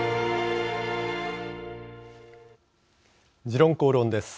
「時論公論」です。